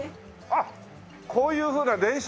あっこういうふうな電車の。